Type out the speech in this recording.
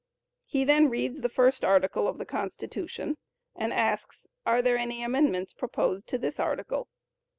He then reads the first article of the Constitution, and asks, "Are there any amendments proposed to this article?"